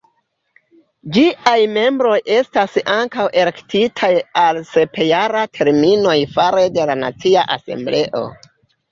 Ĝiaj membroj estas ankaŭ elektitaj al sep-jaraj terminoj fare de la Nacia Asembleo.